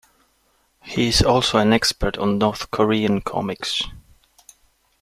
He is also an expert on North Korean comics.